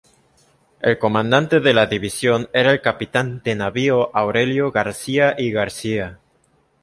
El comandante de la División era el capitán de navío Aurelio García y García.